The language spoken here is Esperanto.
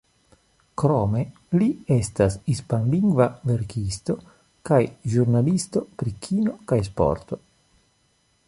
Krome, li estas hispanlingva verkisto, kaj ĵurnalisto pri kino kaj sporto.